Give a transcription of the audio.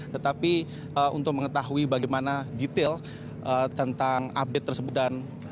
tetapi untuk mengetahui bagaimana detail tentang update tersebut dan